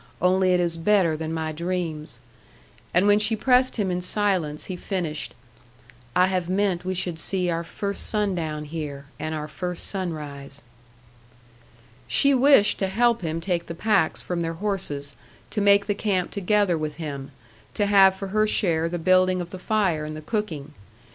Only it is better than my dreams." And when she pressed him in silence, he finished, "I have meant we should see our first sundown here, and our first sunrise." She wished to help him take the packs from their horses, to make the camp together with him, to have for her share the building of the fire, and the cooking.